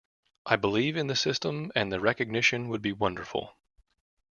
I believe in the system and the recognition would be wonderful.